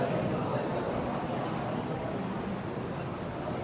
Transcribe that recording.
ขอบคุณครับ